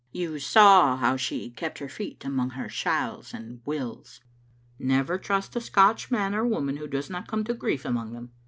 You saw how she kept her feet among her shalls and wills? Never trust a Scotch man or woman who does not come to grief among them."